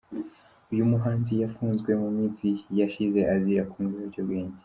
Uyu muhanzi yafunzwe mu minsi yashize azira kunywa ibiyobyabwenge.